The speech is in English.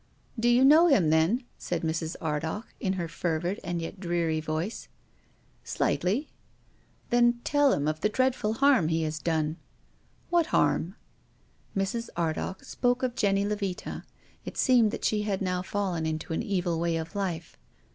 " Do you know him, then ?" said Mrs. Ardagh, in her fervid, and yet dreary, voice. "Slightly." " Then tell him of the dreadful harm he has done." " What harm ?" Mrs. Ardagh spoke of Jenny Levita. It seemed that she had now fallen into an evil way of life.